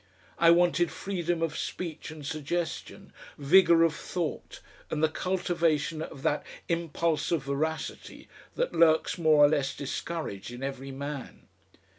I wanted freedom of speech and suggestion, vigour of thought, and the cultivation of that impulse of veracity that lurks more or less discouraged in every man.